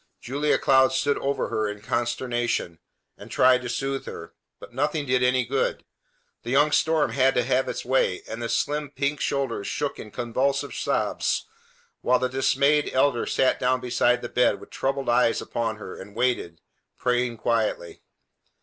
Julia Cloud stood over her in consternation, and tried to soothe her; but nothing did any good. The young storm had to have its way, and the slim pink shoulders shook in convulsive sobs, while the dismayed elder sat down beside the bed, with troubled eyes upon her, and waited, praying quietly.